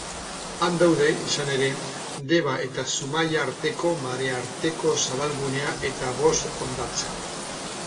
Han daude, izan ere, Deba eta Zumaia arteko marearteko zabalgunea eta bost hondartza.